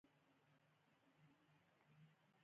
د انسان ارزښت د هغه له اهمیت څخه څرګندېږي.